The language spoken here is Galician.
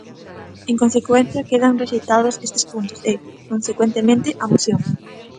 En consecuencia, quedan rexeitados estes puntos e, consecuentemente, a moción.